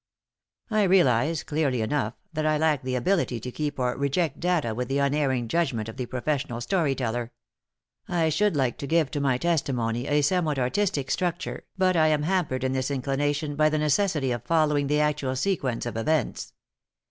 I realize, clearly enough, that I lack the ability to keep or reject data with the unerring judgment of the professional story teller. I should like to give to my testimony a somewhat artistic structure, but I am hampered in this inclination by the necessity of following the actual sequence of events.